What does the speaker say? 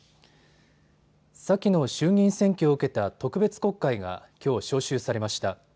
先の衆議院選挙を受けた特別国会がきょう召集されました。